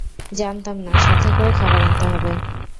জানতাম না, সাথে করে খাবার আনতে হবে।